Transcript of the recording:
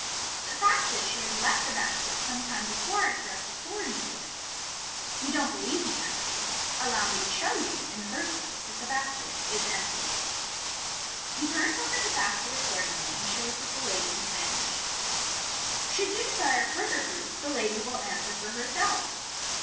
The fact is, she had left the basket some time before I thrust the sword into it. You don't believe me, I see. Allow me to show you, in the first place, that the basket is empty." He turns over the basket accord ingly, and shows that the lady has vanished. u Should you desire further proof, the lady will answer for herself."